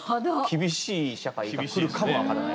厳しい社会がくるかも分からないです。